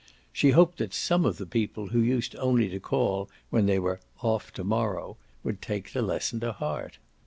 She hoped that some of the people who used only to call when they were "off to morrow" would take the lesson to heart.